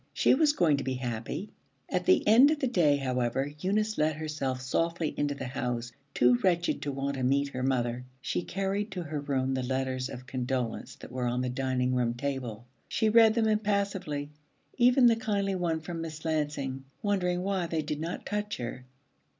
She was going to be happy. At the end of the day, however, Eunice let herself softly into the house, too wretched to want to meet her mother. She carried to her room the letters of condolence that were on the dining room table. She read them impassively, even the kindly one from Miss Lansing, wondering why they did not touch her.